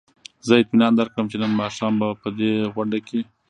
زه اطمینان درکړم چې نن ماښام به په دې غونډه کې.